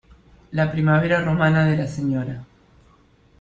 La primavera romana de la Sra.